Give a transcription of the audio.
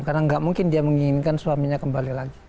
karena nggak mungkin dia menginginkan suaminya kembali lagi